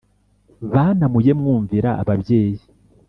bana mujye mwumvira ababyeyi